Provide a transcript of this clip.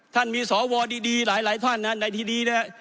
ท่านมีสอวอดีดีหลายหลายท่านนะฮะในที่ดีเนี่ย